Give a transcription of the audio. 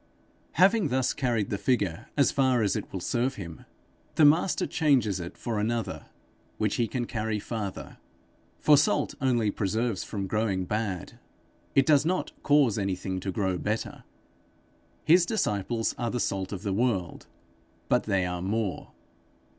Having thus carried the figure as far as it will serve him, the Master changes it for another, which he can carry farther. For salt only preserves from growing bad; it does not cause anything to grow better. His disciples are the salt of the world, but they are more.